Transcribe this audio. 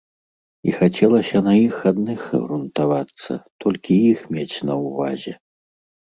І хацелася на іх адных грунтавацца, толькі іх мець на ўвазе.